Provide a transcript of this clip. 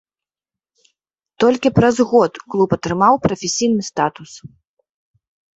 Толькі праз год клуб атрымаў прафесійны статус.